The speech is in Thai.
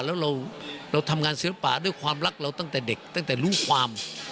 แล้วเราทำงานศิลปะด้วยความรักเราตั้งแต่เด็กตั้งแต่รู้ความ